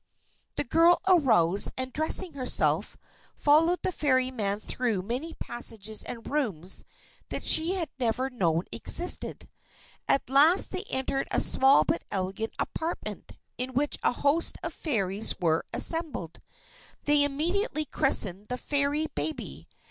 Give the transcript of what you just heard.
The girl arose and dressing herself, followed the Fairy man through many passages and rooms that she had never known existed. At last they entered a small but elegant apartment, in which a host of Fairies were assembled. They immediately christened the Fairy baby.